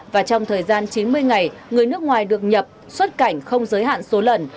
và trong thời gian chín mươi ngày người nước ngoài được nhập xuất cảnh không giới hạn số lần